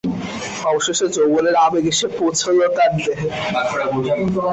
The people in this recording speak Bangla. অবশেষে যৌবনের আবেগ এসে পৌঁছল তার দেহে।